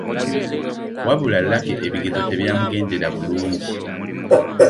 Wabula Lucky ebigezo tebyamugendera bulungi.